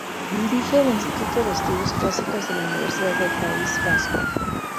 Dirige el Instituto de Estudios Clásicos de la Universidad del País Vasco.